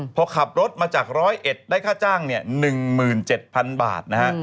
พอขับรถมาจากร้อยเอ็ดได้ค่าจ้างเนี่ย๑๗๐๐๐บาทนะฮะ